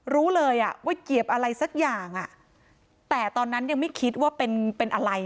รู้เลยอ่ะว่าเหยียบอะไรสักอย่างแต่ตอนนั้นยังไม่คิดว่าเป็นเป็นอะไร